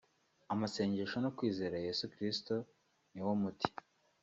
amasengesho no kwizera Yesu Kristo ni wo muti